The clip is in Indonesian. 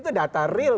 itu data real